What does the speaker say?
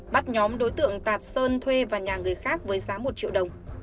bắt nhóm đối tượng tạt sơn thuê vào nhà người khác với giá một triệu đồng